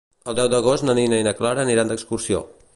El deu d'agost na Nina i na Clara aniran d'excursió.